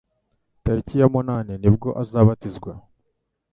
Tariki ya munani nibwo azabatizwa